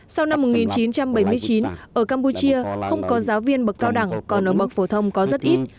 sau năm một nghìn chín trăm bảy mươi chín ở campuchia không có giáo viên bậc cao đẳng còn ở bậc phổ thông có rất ít